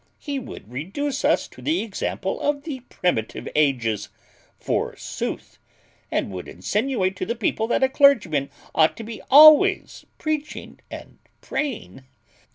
He would reduce us to the example of the primitive ages, forsooth! and would insinuate to the people that a clergyman ought to be always preaching and praying.